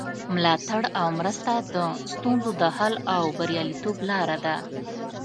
ملاتړ او مرسته د ستونزو د حل او بریالیتوب لاره ده.